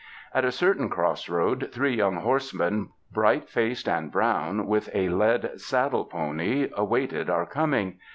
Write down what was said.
At a certain cross road, three young horsemen bright faced and brown, with a led saddle pony, awaited our coming.